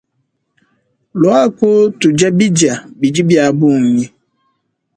Luaku tudia bidia bidi biabunyi.